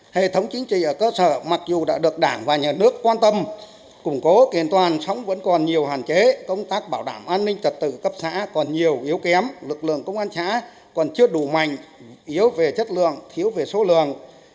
hệ thống chính trị ở cơ sở mặc dù đã được đảng và nhà nước quan tâm củng cố kiện toàn sống vẫn còn nhiều hạn chế công tác bảo đảm an ninh trật tự cấp xã còn nhiều yếu kém lực lượng công an xã còn chưa đủ mạnh yếu về chất lượng thiếu về số lượng